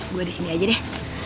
gue di sini aja deh